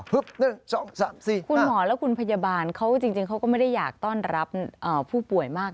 คุณหมอและคุณพยาบาลเขาจริงเขาก็ไม่ได้อยากต้อนรับผู้ป่วยมาก